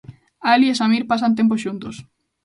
Ali e Samir pasan tempo xuntos.